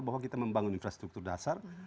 bahwa kita membangun infrastruktur dasar